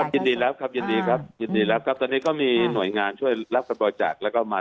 ยินดีแล้วครับยินดีครับยินดีแล้วครับตอนนี้ก็มีหน่วยงานช่วยรับการบริจาคแล้วก็มา